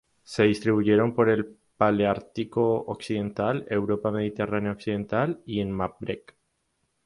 Se distribuyen por el Paleártico occidental: Europa mediterránea occidental y el Magreb.